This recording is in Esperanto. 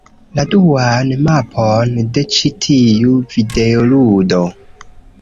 La duan mapon de ĉi tiu videoludo.